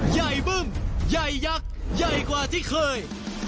ใหญ่บึ้มใหญ่ยักษ์ใหญ่กว่าที่เคย